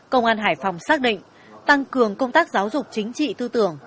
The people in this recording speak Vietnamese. công an hải phòng xác định tăng cường công tác giáo dục chính trị tư tưởng